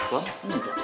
coba dari telepon